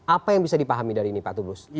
apa yang bisa dipahami dari ini pak tulus